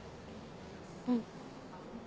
うん。